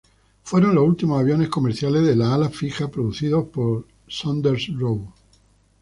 Fueron los últimos aviones comerciales de ala fija producidos por Saunders-Roe.